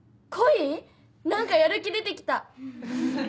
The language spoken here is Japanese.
何かやる気出て来た！